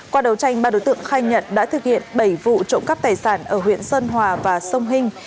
qua đầu tranh ba đối tượng khai nhận đã thực hiện bảy vụ trộm cắp tài sản ở huyện sơn hòa và sông hình